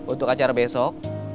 untuk acara besok